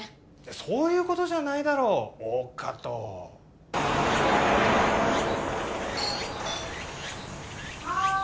そういうことじゃないだろ大加戸はーい